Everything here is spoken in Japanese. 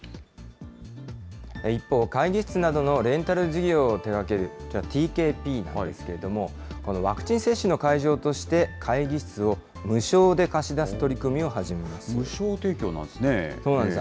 一方、会議室などのレンタル事業を手がけるティーケーピーなんですけれども、このワクチン接種の会場として、会議室を無償で貸し出す取無償提供なんですね。